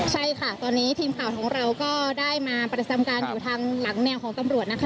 ใช่ค่ะตอนนี้ทีมข่าวของเราก็ได้มาประจำการอยู่ทางหลังแนวของตำรวจนะคะ